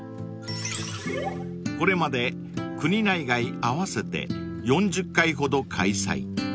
［これまで国内外合わせて４０回ほど開催］